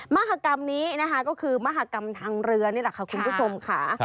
มหากรรมนี้นะคะก็คือมหากรรมทางเรือนี่แหละค่ะคุณผู้ชมค่ะ